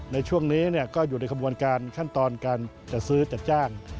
ในช่วงนี้ก็อยู่ในขบวนการขั้นตอนการจัดซื้อจัดจ้าง